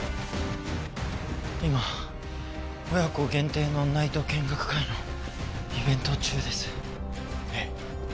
今親子限定のナイト見学会のイベント中ですえっ？